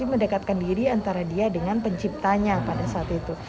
mendekatkan diri antara dia dengan penciptanya pada saat itu